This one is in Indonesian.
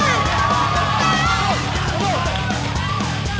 lihat mama harus percaya sama boy